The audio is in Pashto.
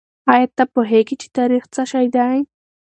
آیا ته پوهېږې چې تاریخ څه دی؟